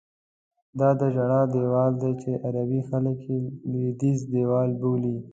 دا د ژړا دیوال دی چې غربي خلک یې لوېدیځ دیوال بولي.